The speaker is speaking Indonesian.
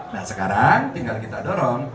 nah sekarang tinggal kita dorong